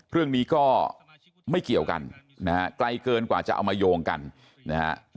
เรื่องนี้ก็ไม่เกี่ยวกันนะฮะไกลเกินกว่าจะเอามาโยงกันนะฮะ